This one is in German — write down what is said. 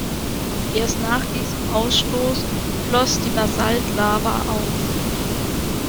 Erst nach diesem Ausstoß floss die Basaltlava aus.